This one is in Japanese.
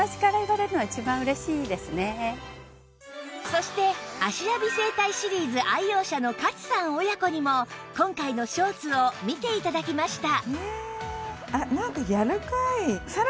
そして芦屋美整体シリーズ愛用者の勝さん親子にも今回のショーツを見て頂きました